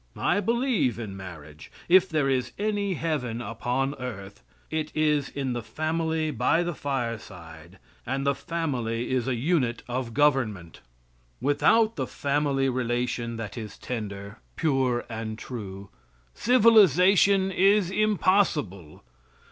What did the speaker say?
I believe in marriage. If there is any Heaven upon earth, it is in the family by the fireside and the family is a unit of government. Without the family relation that is tender, pure and true, civilization is impossible.